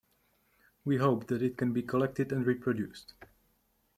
We hope that it can be collected and reproduced.